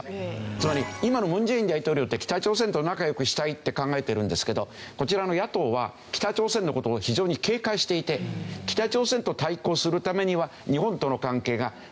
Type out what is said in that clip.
つまり今の文在寅大統領って北朝鮮と仲良くしたいって考えてるんですけどこちらの野党は北朝鮮の事を非常に警戒していて北朝鮮と対抗するためには。